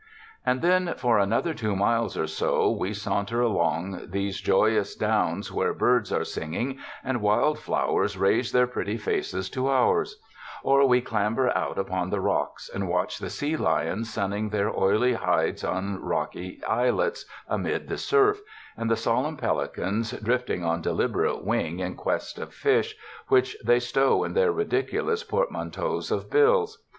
And then for another two miles or so, we saunter along these joyous downs where birds are singing and wild flowers raise their pretty faces to ours; or we clamber out upon the rocks and watch the sea lions sunning their oily hides on rocky islets amid the surf, and the solemn pelicans drifting on deliberate wing in quest of fish, which they stow in their ridiculous portmanteaus of bills.